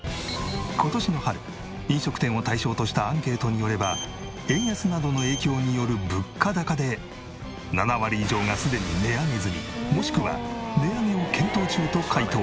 今年の春飲食店を対象としたアンケートによれば円安などの影響による物価高で７割以上がすでに値上げ済みもしくは値上げを検討中と回答。